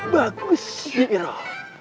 bagus sih iroh